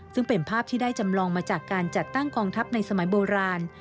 ซึ่งเป็นภาพที่ได้จำลองมาจากการจัดตั้งกองทัพในสมัยโบราณ